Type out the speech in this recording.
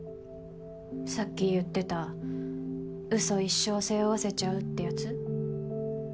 さっき言ってたうそ一生背負わせちゃうってやつ？